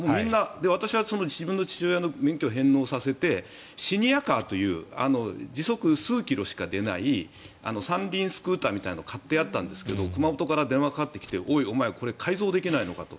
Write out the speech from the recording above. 私は自分の父親に免許を返納させてシニアカーという時速数キロしか出ない三輪スクーターみたいなのを買ってあったんですが熊本から電話がかかってきてこれ、改造できないのかと。